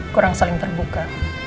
kurang saling terbuka